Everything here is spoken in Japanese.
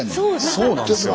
そうなんですよ。